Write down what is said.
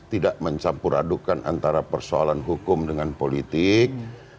tidak mencampur adukan antara persoalan hukum dengan politik